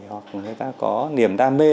hoặc người ta có niềm đam mê